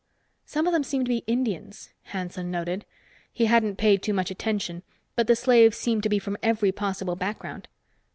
"Some of them seem to be Indians," Hanson noted. He hadn't paid too much attention, but the slaves seemed to be from every possible background.